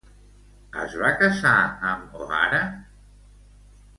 Es va casar amb OHara?